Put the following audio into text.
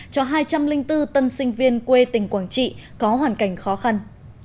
cho hai trăm linh bốn tân sinh viên quê tỉnh quảng trị có hoàn cảnh khó khăn